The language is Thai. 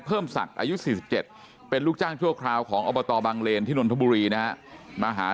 เพิ่มศักดิ์อายุ๔๗เป็นลูกจ้างชั่วคราวของอบตบังเลนที่นนทบุรีนะฮะมาหา